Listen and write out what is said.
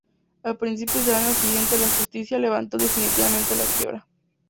A principios del año siguiente, la justicia levantó definitivamente la quiebra.